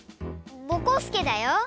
ぼこすけだよ。